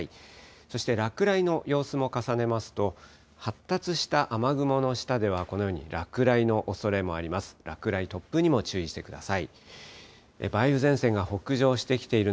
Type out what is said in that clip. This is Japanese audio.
そして落雷の様子も重ねますと、発達した雨雲の下では、このように落雷のおそれもあります。